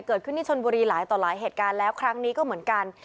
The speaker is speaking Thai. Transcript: เกิดขึ้นที่ชนบุรีหลายต่อหลายเหตุการณ์แล้วครั้งนี้ก็เหมือนกัน